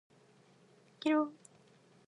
げろ